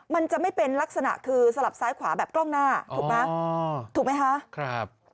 มันจะไม่เป็นลักษณะคือสลับซ้ายขวาแบบกล้องหน้าถูกไหมถูกไหมคะครับ